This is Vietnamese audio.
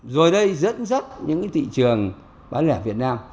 rồi đây dẫn dắt những thị trường bán lẻ việt nam